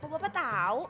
kok bapak tau